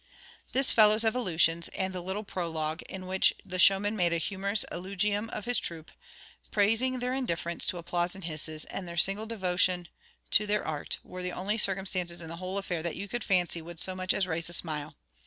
This fellow's evolutions, and the little prologue, in which the showman made a humorous eulogium of his troop, praising their indifference to applause and hisses, and their single devotion to their art, were the only circumstances in the whole affair that you could fancy would so much as raise a smile.